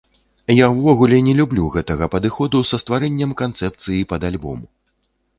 Я ўвогуле не люблю гэтага падыходу са стварэннем канцэпцыі пад альбом.